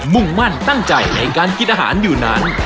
มุ่งมั่นตั้งใจในการกินอาหารอยู่นั้น